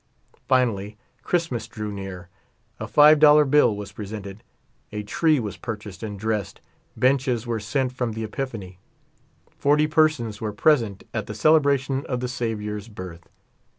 Finally Christ mas drew near ; a five dollar bill was presented ; a tree was purchased and dressed : benches were sent from the Epiphan3\ Forty persons were present at the celebra tion of the Saviour s birth.